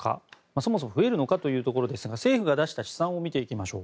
そもそも増えるのかというところですが政府が出した試算を見ていきましょう。